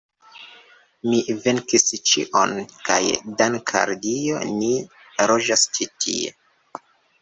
Mi venkis ĉion, kaj dank' al Dio ni loĝas ĉi tie.